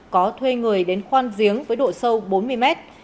có thuê người đến khoan giếng với độ sâu bốn mươi mét